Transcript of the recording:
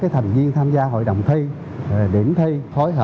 thì em này đuối